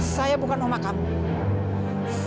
saya bukan om malhares